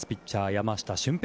山下舜平